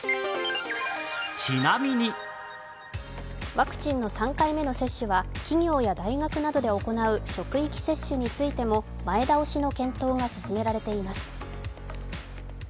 ワクチンの３回目の接種は企業や大学などで行う職域接種についても前倒しの検討が進められています。